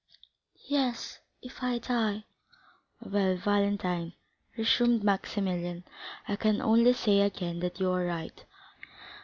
"Yes,—if I die!" "Well, Valentine," resumed Maximilian, "I can only say again that you are right.